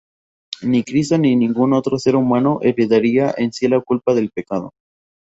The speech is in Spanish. Ni Cristo ni ningún otro ser humano heredaría en sí la culpa del pecado.